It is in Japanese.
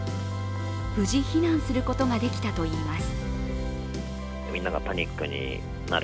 無事避難することができたといいます。